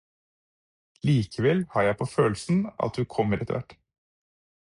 Likevel har jeg på følelsen at du kommer etterhvert.